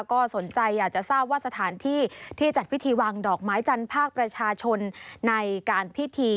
ก็สนใจอยากจะทราบว่าสถานที่ที่จัดพิธีวางดอกไม้จันทร์ภาคประชาชนในการพิธี